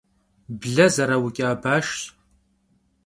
Ble zerauç'a başşş.